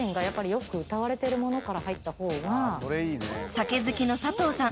［酒好きの佐藤さん。